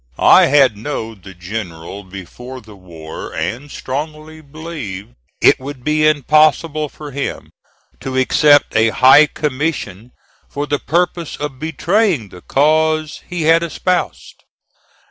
I had know the general before the war and strongly believed it would be impossible for him to accept a high commission for the purpose of betraying the cause he had espoused.